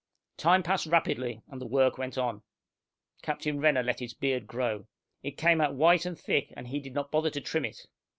Time passed rapidly, and the work went on. Captain Renner let his beard grow. It came out white and thick, and he did not bother to trim it.